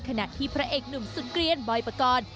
ขณะที่พระเอกหนุ่มสุดเกลียนบอยปกรณ์